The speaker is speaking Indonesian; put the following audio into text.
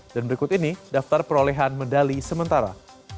dan berikut ini daftar perolehan medali sementara